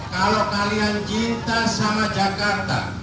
kalau kalian cinta sama jakarta